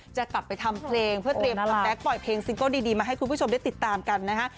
จะกลับไปทำเพลงเพื่อเตรียมคัมแก๊กปล่อยเพลงซิงเกิลดีมาให้คุณผู้ชมได้ติดตามกันนะฮะ